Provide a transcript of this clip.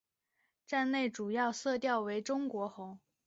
站内主要色调为中国红。